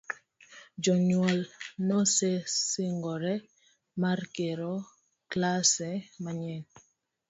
Jonyuol nosesingore mar gero klase manyien.